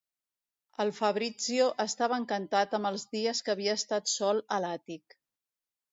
El Fabrizio estava encantat amb els dies que havia estat sol a l'àtic.